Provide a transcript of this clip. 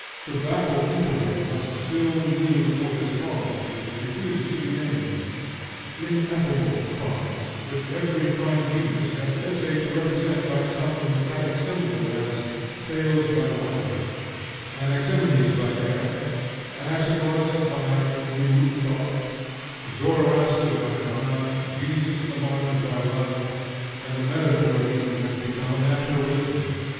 The baffled intellect must still kneel before this cause, which refuses to be named, ineffable cause, which every fine genius has essayed to represent by some emphatic symbol, as, Thales by water, Anaximenes by air, Anaxagoras by (Nous) thought, Zoroaster by fire, Jesus and the moderns by love; and the metaphor of each has become a national religion.